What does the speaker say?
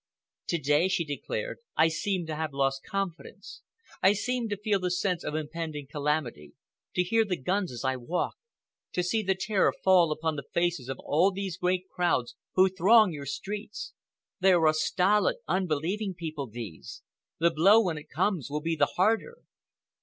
"To day," she declared, "I seem to have lost confidence. I seem to feel the sense of impending calamity, to hear the guns as I walk, to see the terror fall upon the faces of all these great crowds who throng your streets. They are a stolid, unbelieving people—these. The blow, when it comes, will be the harder."